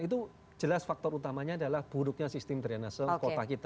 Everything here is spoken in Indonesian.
itu jelas faktor utamanya adalah buruknya sistem drainase kota kita